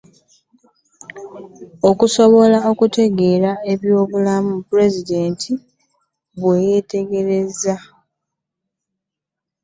Okusobola okwogera eby'obulimba, Pulezidenti bwe yategeeza.